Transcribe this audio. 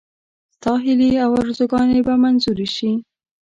ستا هیلې او آرزوګانې به منظوري شي.